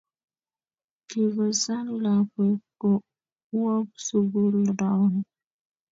Kikosan lakwek kowok sukul raoni.